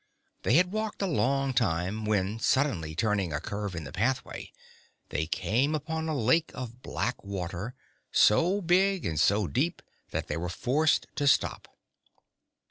They had walked a long time when, suddenly turning a curve of the pathway, they came upon a lake of black water, so big and so deep that they were forced to stop.